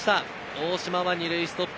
大島は２塁ストップ。